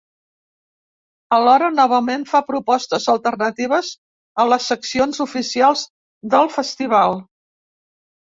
Alhora, novament, fa propostes alternatives a les seccions oficials del festival.